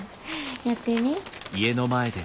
やってみ。